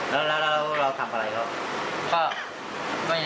แล้วเราทำอะไรครับ